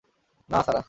না, সারা।